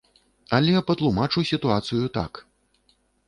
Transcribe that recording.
Але патлумачу сітуацыю так.